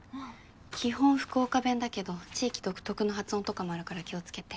基本福岡弁だけど地域独特の発音とかもあるから気をつけて。